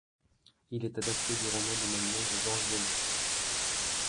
Il est adapté du roman du même nom de Jean Giono.